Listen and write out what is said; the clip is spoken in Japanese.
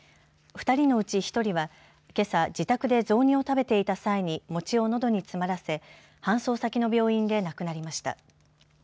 ２人のうち１人はけさ、自宅で雑煮を食べていた際に餅をのどに詰まらせ搬送先の病院で亡くなりました。